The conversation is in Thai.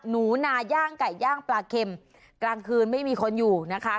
หนูนาย่างไก่ย่างปลาเข็มกลางคืนไม่มีคนอยู่นะคะ